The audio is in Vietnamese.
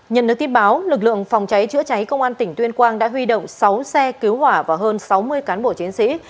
nhận được tin báo lực lượng phòng cháy chữa cháy công an tỉnh tuyên quang đã huy động sáu xe cứu hỏa và hơn sáu mươi cán bộ chiến sĩ